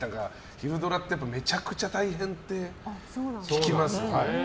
昼ドラってめちゃくちゃ大変って聞きますね。